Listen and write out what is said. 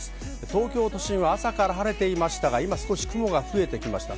東京都心は朝から晴れていましたが、今少し雲が増えてきました。